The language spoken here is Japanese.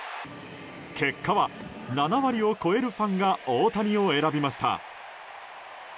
結果は７割を超えるファンが大谷を選びました。